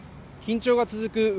緊張が続く